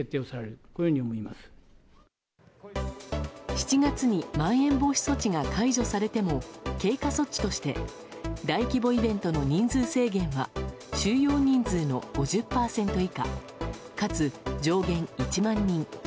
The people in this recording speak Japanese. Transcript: ７月にまん延防止措置が解除されても経過措置として大規模イベントの人数制限は収容人数の５０％以下かつ上限１万人。